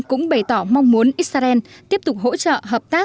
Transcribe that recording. cũng bày tỏ mong muốn israel tiếp tục hỗ trợ hợp tác